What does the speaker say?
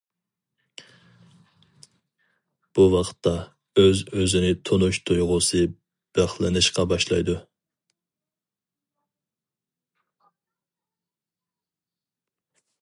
بۇ ۋاقىتتا ئۆز-ئۆزىنى تونۇش تۇيغۇسى بىخلىنىشقا باشلايدۇ.